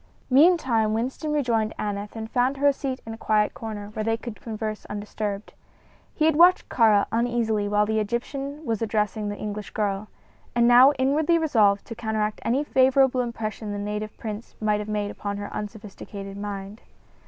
Meantime Winston rejoined Aneth and found her a seat in a quiet corner, where they could converse undisturbed. He had watched Kāra uneasily while the Egyptian was addressing the English girl, and now inwardly resolved to counteract any favorable impression the native prince might have made upon her unsophisticated mind.